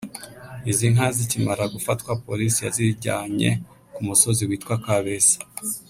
Izi nka zikimara gufatwa polisi yazijyane ku musozi witwa Kabeza